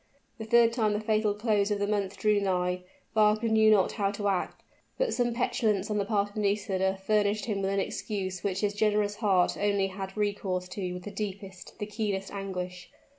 The third time the fatal close of the month drew nigh, Wagner knew not how to act; but some petulance on the part of Nisida furnished him with an excuse which his generous heart only had recourse to with the deepest, the keenest anguish.